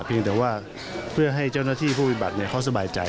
เพียงแต่ว่าเพื่อให้เจ้าหน้าที่ผู้วิบัติเขาสบายใจ